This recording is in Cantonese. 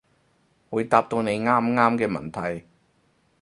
會答到你啱啱嘅問題